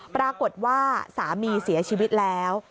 ปรากฏว่าสามีเสียชีวิตแล้ว